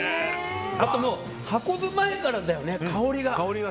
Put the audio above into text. あと運ぶ前からだよね、香りが。